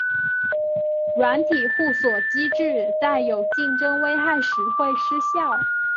软体互锁机制在有竞争危害时会失效。